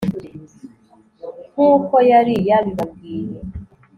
nk'uko yari yabibabwiye